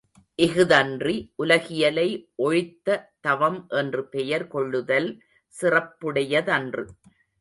இஃதன்றி உலகியலை ஒழித்த தவம் என்று பெயர் கொள்ளுதல் சிறப்புடையதன்று.